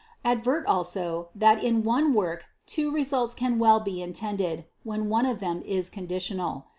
Advert also, that in one work two results can well be intended, when one of them is conditional.